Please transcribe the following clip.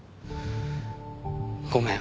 ごめん。